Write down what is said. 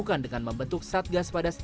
yang bagus menurut evan daniels